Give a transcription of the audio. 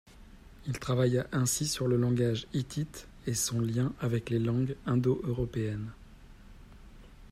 Il travailla ainsi sur le langage hittite et son lien avec les langues indo-européennes.